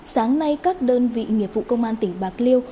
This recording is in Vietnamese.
sáng nay các đơn vị nghiệp vụ công an tỉnh bạc liêu